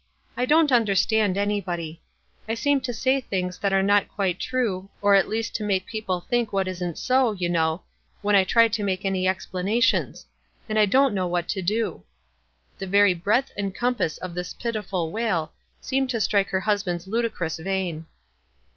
I don't understand anybody. WISE AND OTHERWISE. 177 I seem to say things that are not quite true, or at least to make people think what isn't so, you know, when I try to make any explanations. And I don't know what to do." The very breadth and compass of this pitiful wail seemed to strike her husband's ludicrous vein.